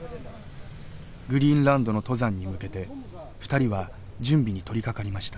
グリーンランドの登山に向けて２人は準備に取りかかりました。